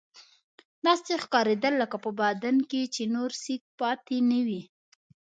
داسې ښکارېدل لکه په بدن کې چې یې نور سېک پاتې نه وي.